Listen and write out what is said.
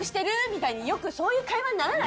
みたいによくそういう会話にならない？